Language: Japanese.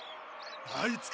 あいつか！